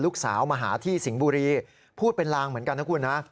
ลูกสาวมาหาที่สิงห์บุรีพูดเป็นลางเหมือนกันนะคุณนะ